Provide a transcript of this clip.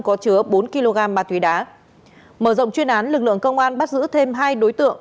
có chứa bốn kg ma túy đá mở rộng chuyên án lực lượng công an bắt giữ thêm hai đối tượng